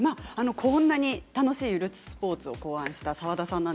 こんな楽しいゆるスポーツを考案した澤田さん